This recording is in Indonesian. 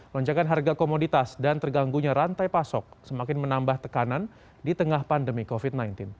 lonjakan harga komoditas dan terganggunya rantai pasok semakin menambah tekanan di tengah pandemi covid sembilan belas